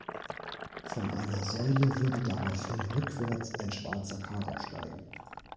Von einer Säule würde daraufhin rückwärts ein schwarzer Kater steigen.